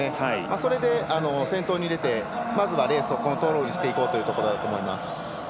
それで先頭に出てまずはレースをコントロールしていこうというところだと思います。